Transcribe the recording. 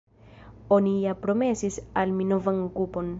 Oni ja promesis al mi novan okupon.